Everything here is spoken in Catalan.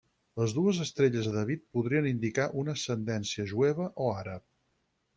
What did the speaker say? Les dues estrelles de David podrien indicar una ascendència jueva o àrab.